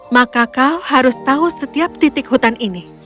maka kau harus tahu setiap titik hutan ini